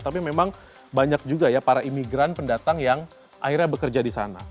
tapi memang banyak juga ya para imigran pendatang yang akhirnya bekerja di sana